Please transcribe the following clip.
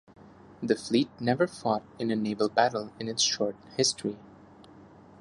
The fleet never fought in a naval battle in its short history.